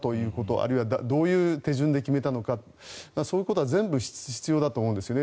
あるいはどういう手順で決めたのかそういうことは全部必要だと思うんですね。